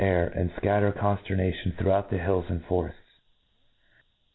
air, 2Uid fcatter confternation throughout the hiUs and forefts.